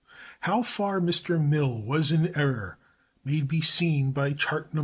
How far Mr. Mill was in error may be seen by Chart No.